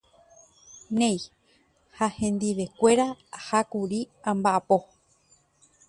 néi ha hendivekuéra ahákuri amba’apo